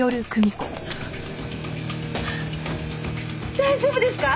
大丈夫ですか！？